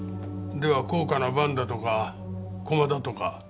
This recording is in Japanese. では高価な盤だとか駒だとか？